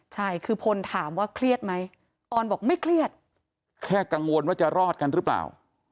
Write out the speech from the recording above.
ใช่คือพลถามว่าเครียดไหมออนบอกไม่เครียดแค่กังวลว่าจะรอดกันหรือเปล่า